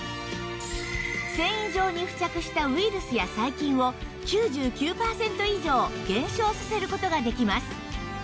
繊維上に付着したウイルスや細菌を９９パーセント以上減少させる事ができます